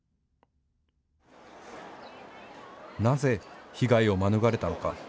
なぜ被害を免れたのか。